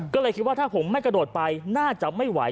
ก็เลยคิดว่าถ้าผมไม่กระโดดไปน่าจะไม่ไหว